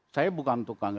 saya bukan tukang